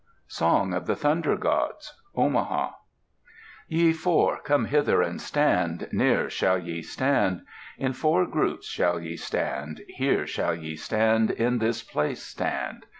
SONG TO THE THUNDER GODS[A] Omaha Ye four, come hither and stand, near shall ye stand,[B] In four groups shall ye stand, Here shall ye stand, in this place stand.